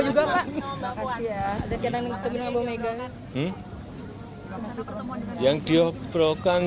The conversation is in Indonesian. ya semeringan dong masa enggak perlu semeringan